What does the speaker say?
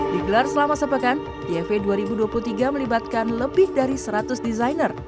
digelar selama sepekan iev dua ribu dua puluh tiga melibatkan lebih dari seratus desainer